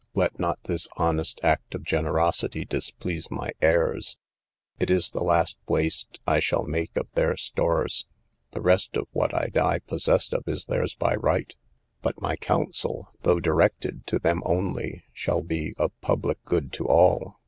Let not this honest act of generosity displease my heirs; it is the last waste I shall make of their stores: the rest of what I die possessed of is theirs by right, but my counsel, though directed to them only, shall be of public good to all.